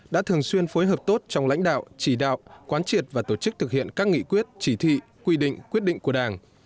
đã thường xuyên phối hợp tốt trong lãnh đạo chỉ đạo quán triệt và tổ chức thực hiện các nghị quyết chỉ thị quy định quyết định của đảng